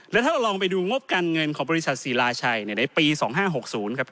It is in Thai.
แล้วถ้าลองไปดูงบการเงินของบริษัทศิลาชัยในปี๒๕๖๐ครับ